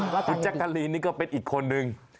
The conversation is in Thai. มิจกรีนี่ก็เป็นอีกคนหนึ่ง